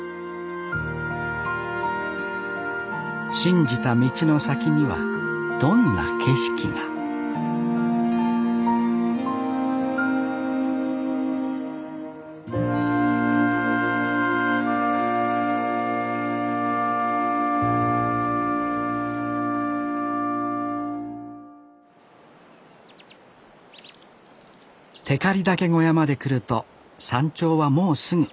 信じた道の先にはどんな景色が光岳小屋まで来ると山頂はもうすぐ。